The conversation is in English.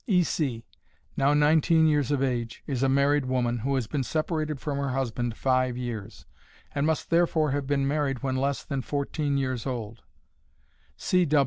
E. C., now nineteen years of age, is a married woman, who has been separated from her husband five years, and must therefore have been married when less than fourteen years old.